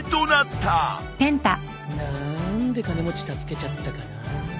なーんで金持ち助けちゃったかなぁ。